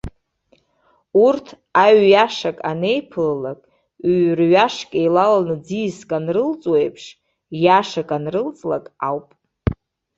Урҭ аҩ-иашак анеиԥылалак, ҩ-рҩашк еилаланы ӡиаск анрылҵуа еиԥш, иашак анрылҵлак ауп.